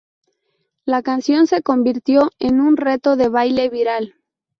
La canción se convirtió en un reto de baile viral.